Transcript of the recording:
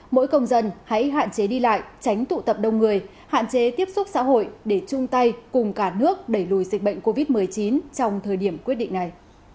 mỗi công dân hãy hạn chế đi lại tránh tụ tập đông người hạn chế tiếp xúc xã hội để chung tay cùng cả nước đẩy lùi dịch bệnh covid một mươi chín trong thời điểm quyết định này